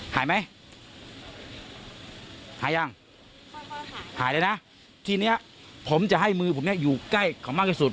หายไหมหายยังหายเลยนะทีเนี้ยผมจะให้มือผมเนี่ยอยู่ใกล้เขามากที่สุด